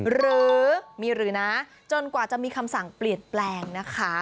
หรือมีหรือนะจนกว่าจะมีคำสั่งเปลี่ยนแปลงนะคะ